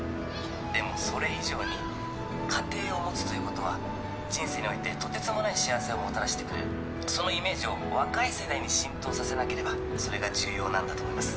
でもそれ以上に家庭を持つということは人生においてとてつもない幸せをもたらしてくれるそのイメージを若い世代に浸透させなければそれが重要なんだと思います